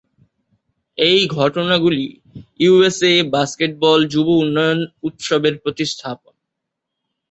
এই ঘটনাগুলি USA basketball যুব উন্নয়ন উৎসবের প্রতিস্থাপন।